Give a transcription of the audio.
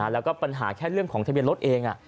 แล้วก็ปัญหาแค่เรื่องของทะเบียนรถเอง